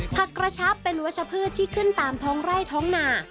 กระชับเป็นวัชพืชที่ขึ้นตามท้องไร่ท้องหนา